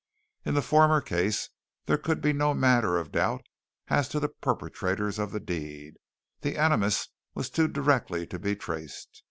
In the former case there could be no manner of doubt as to the perpetrators of the deed the animus was too directly to be traced.